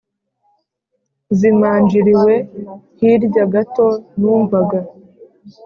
zimanjiriwe hirya gato numvaga